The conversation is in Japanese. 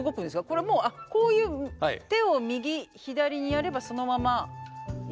これもうこういう手を右左にやればそのまま行くのか？